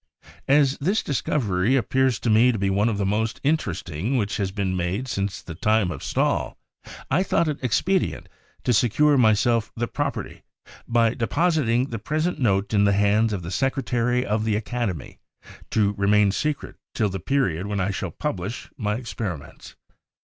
As this discovery appears to me to be one of the most in teresting which has been made since the time of Stahl, I thought it expedient to secure to myself the property, by depositing the present note in the hands of the secretary of the Academy, to remain secret till the period when I shall publish my experiments.